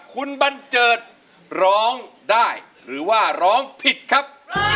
คุณบันเจิดร้องได้หรือว่าร้องผิดครับ